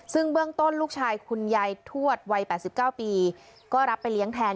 ซึ่งเบื้องต้นลูกชายคุณยายทวดวัย๘๙ปีก็รับไปเลี้ยงแทน